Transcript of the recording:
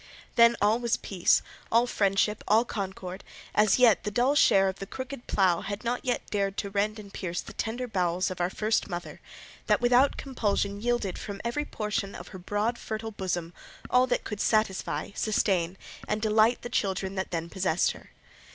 Then all was peace, all friendship, all concord; as yet the dull share of the crooked plough had not dared to rend and pierce the tender bowels of our first mother that without compulsion yielded from every portion of her broad fertile bosom all that could satisfy, sustain, and delight the children that then possessed her.